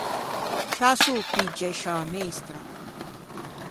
Scià s’ô pigge, sciâ meistra.